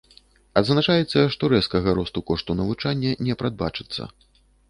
Адзначаецца, што рэзкага росту кошту навучання не прадбачыцца.